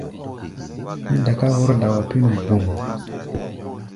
Mí daká wɔ̌r-dawa pí̧nu vbum.